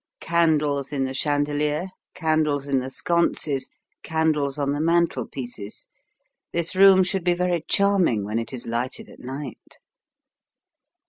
Candles in the chandelier; candles in the sconces, candles on the mantelpieces. This room should be very charming when it is lighted at night."